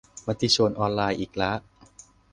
มติชนออนไลน์อีกละ